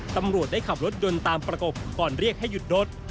ตำรวจได้ขับรถยนต์ตามประกบก่อนเรียกให้หยุดรถ